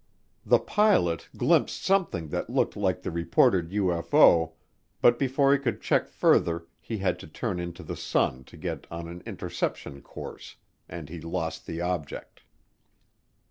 The pilot glimpsed something that looked like the reported UFO, but before he could check further he had to turn into the sun to get on an interception course, and he lost the object.